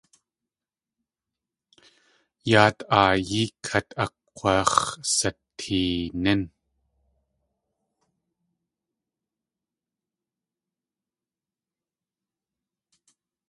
Yáat aayi kát ag̲waax̲sateenín.